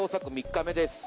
３日目です。